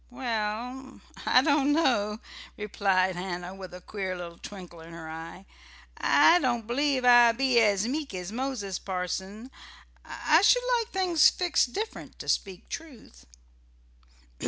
"Well, I don't know," replied Hannah, with a queer little twinkle in her eye. "I don't believe I be as meek as Moses, parson. I should like things fixed different, to speak truth."